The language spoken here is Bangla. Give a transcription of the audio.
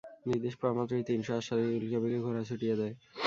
নির্দেশ পাওয়া মাত্রই তিনশ অশ্বারোহী উল্কাবেগে ঘোড়া ছুটিয়ে দেয়।